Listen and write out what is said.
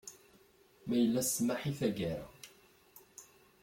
Ma yella smaḥ i taggara.